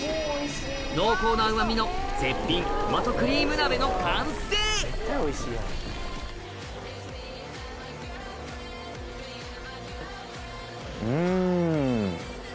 濃厚なうま味の絶品トマトクリーム鍋の完成うん！